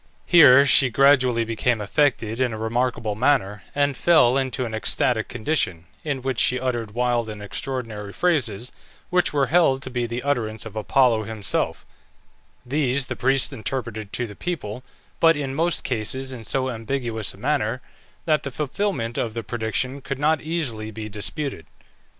Here she gradually became affected in a remarkable manner, and fell into an ecstatic condition, in which she uttered wild and extraordinary phrases, which were held to be the utterance of Apollo himself; these the priests interpreted to the people, but in most cases in so ambiguous a manner that the fulfilment of the prediction could not easily be disputed.